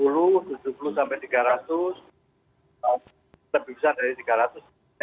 lebih besar dari tiga ratus